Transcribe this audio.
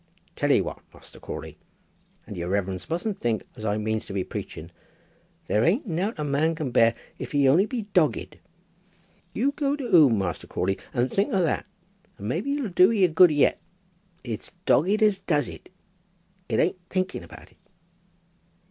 "Tell 'ee what, Master Crawley; and yer reverence mustn't think as I means to be preaching; there ain't nowt a man can't bear if he'll only be dogged. You go whome, Master Crawley, and think o' that, and maybe it'll do ye a good yet. It's dogged as does it. It ain't thinking about it."